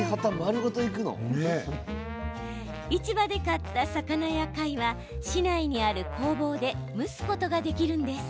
市場で買った魚や貝は市内にある工房で蒸すことができるんです。